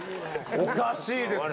おかしいですね。